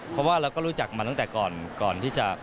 เพราะว่าเราก็รู้จักมาตั้งแต่ก่อนที่จะ